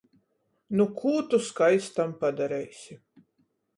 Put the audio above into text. Nu kū tu skaistam padareisi.